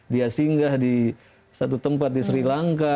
dia singgah di satu tempat di sri lanka